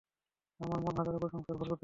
আমার মন হাজারো কুসংস্কারে ভরে উঠেছিল।